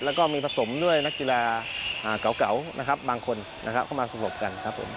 แล้วก็มีผสมด้วยนักกีฬาเก่าบางคนเข้ามาสรุปกันครับ